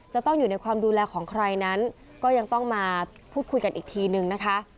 จะต้องอยู่ในความดูแลของใครนั้นก็ยังต้องมาพูดคุยกันอีกทีนึงนะคะ